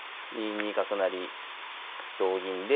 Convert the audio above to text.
２二角成同銀で。